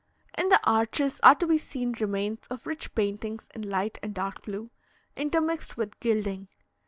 In the arches are to be seen remains of rich paintings in light and dark blue, intermixed with gilding.